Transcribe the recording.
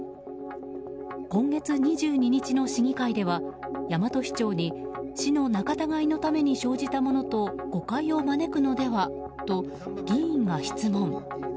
今月２２日の市議会では大和市長に市の仲たがいのために生じたものと誤解を招くのではと議員が質問。